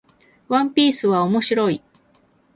ワンピースは面白い